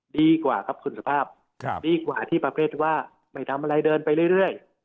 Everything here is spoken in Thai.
ดีกว่าครับคุณสุภาพดีกว่าที่ประเภทว่าไม่ทำอะไรเดินไปเรื่อย